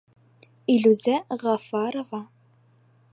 Илүзә ҒАФАРОВА: